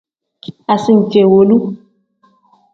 Asincewolu.